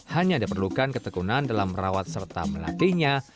hanya diperlukan ketekunan dalam merawat serta melatihnya